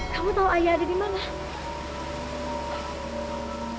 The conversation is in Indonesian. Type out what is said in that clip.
kamu tau ayah ada dimana